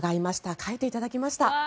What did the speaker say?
描いていただきました。